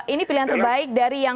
ini pilihan terbaik dari yang